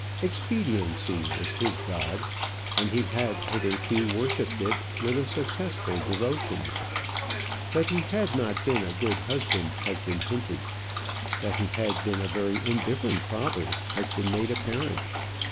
Expediency was his god, and he had hitherto worshipped it with a successful devotion. That he had not been a good husband has been hinted; that he had been a very indifferent father has been made apparent.